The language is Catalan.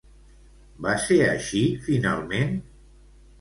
Va ser així, finalment?